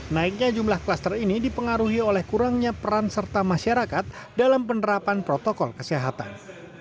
naiknya jumlah kluster ini dipengaruhi oleh kurangnya peran serta masyarakat dalam penerapan protokol kesehatan